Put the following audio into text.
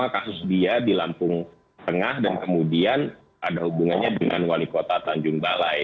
kasus dia di lampung tengah dan kemudian ada hubungannya dengan wali kota tanjung balai